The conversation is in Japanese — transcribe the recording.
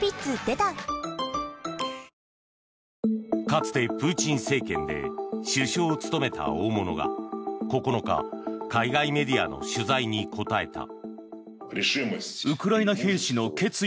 かつてプーチン政権で首相を務めた大物が９日海外メディアの取材に答えた。